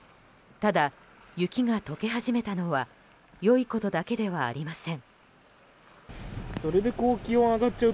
ただ、雪が解け始めたのは良いことだけではありません。